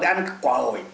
để ăn quả ổi